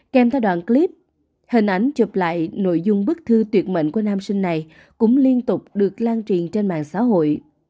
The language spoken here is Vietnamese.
kèm theo đoạn clip hình ảnh chụp lại nội dung bức thư tuyệt mệnh của nam sinh này cũng liên tục được lan truyền trên mạng xã hội